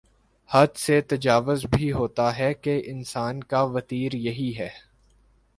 حد سے تجاوز بھی ہوتا ہے کہ انسان کا وتیرہ یہی ہے۔